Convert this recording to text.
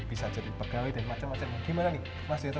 bisa jadi pegawai dan macam macam gimana nih mas indra